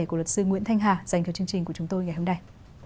của luật sư nguyễn thanh hà dành cho chương trình của chúng tôi ngày hôm nay